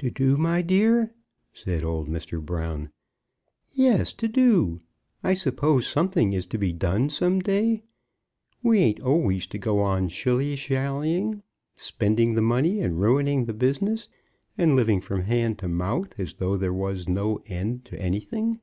"To do, my dear?" said old Mr. Brown. "Yes; to do. I suppose something is to be done some day. We ain't always to go on shilly shallying, spending the money, and ruining the business, and living from hand to mouth, as though there was no end to anything.